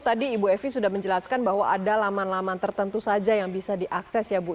tadi ibu evi sudah menjelaskan bahwa ada laman laman tertentu saja yang bisa diakses ya bu